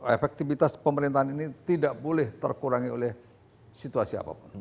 efektivitas pemerintahan ini tidak boleh terkurangi oleh situasi apapun